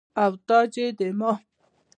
او تاج يي ديما